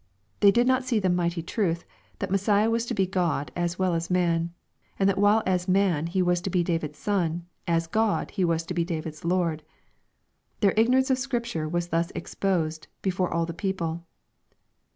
They did not see the mighty truth, that Messiah was to be God as well as man, and that while as man He was to be David's son, as God He was to be David's Lord Their ignorance of Scripture was thus exposed before aL the people.